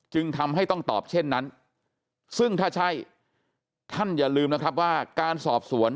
จึงทำให้ต้องตอบเช่นนั้นซึ่งถ้าใช่ท่านอย่าลืมนะครับว่าการสอบสวน